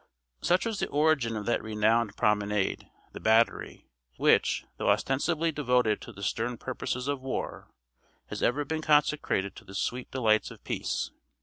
Such was the origin of that renowned promenade, The Battery, which, though ostensibly devoted to the stern purposes of war, has ever been consecrated to the sweet delights of peace.